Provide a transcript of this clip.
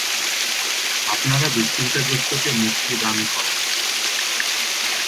আপনারা দুশ্চিন্তাগ্রস্তকে মুক্তি দান করেন।